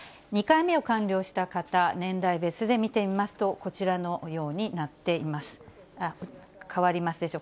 ２回目を完了した方、年代別で見てみますと、こちらのようになっています。